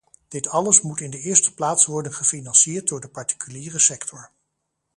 Dit alles moet in de eerste plaats worden gefinancierd door de particuliere sector.